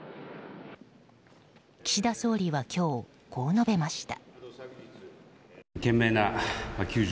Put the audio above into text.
岸田総理は今日こう述べました。